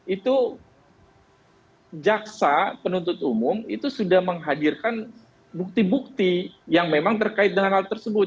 itu jaksa penuntut umum itu sudah menghadirkan bukti bukti yang memang terkait dengan hal tersebut